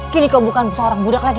kini kau bukan seorang budak lagi